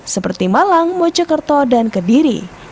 seperti malang mojokerto dan kediri